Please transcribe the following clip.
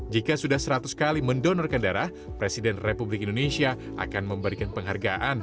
jika sudah seratus kali mendonorkan darah presiden republik indonesia akan memberikan penghargaan